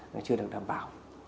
nó chưa được đảm bảo